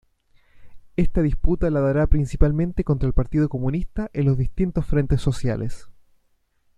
Esta disputa la dará principalmente contra el Partido Comunista en los distintos frentes sociales.